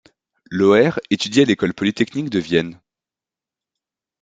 Loehr étudie à l'école polytechnique de Vienne.